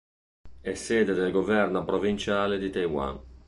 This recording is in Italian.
È sede del governo provinciale di Taiwan.